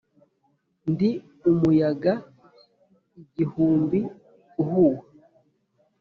ndi umuyaga igihumbi uhuha,